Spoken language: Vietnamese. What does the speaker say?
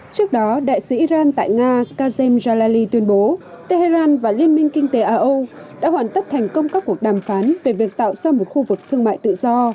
trước đó đại sứ iran tại nga kazhem jalali tuyên bố tehran và liên minh kinh tế a âu đã hoàn tất thành công các cuộc đàm phán về việc tạo ra một khu vực thương mại tự do